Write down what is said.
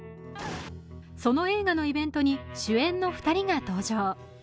その映画のイベントに主演の２人が登場。